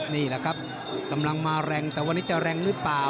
นี่แหละครับกำลังมาแรงแต่วันนี้จะแรงหรือเปล่า